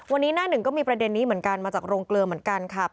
วันนี้หน้าหนึ่งก็มีประเด็นนี้เหมือนกันมาจากโรงเกลือเหมือนกันค่ะ